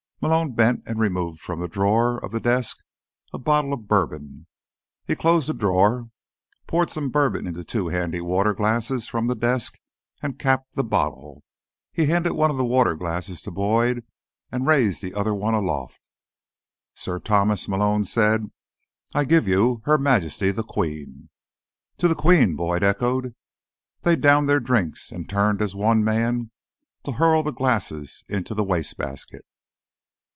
Malone bent and removed from a drawer of the desk a bottle of bourbon. He closed the drawer, poured some bourbon into two handy water glasses from the desk, and capped the bottle. He handed one of the water glasses to Boyd, and raised the other one aloft. "Sir Thomas," Malone said, "I give you Her Majesty, the Queen!" "To the Queen!" Boyd echoed. They downed their drinks and turned, as one man, to hurl the glasses into the wastebasket.